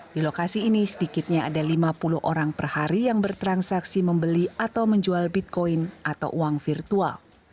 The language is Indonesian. di lokasi ini sedikitnya ada lima puluh orang per hari yang bertransaksi membeli atau menjual bitcoin atau uang virtual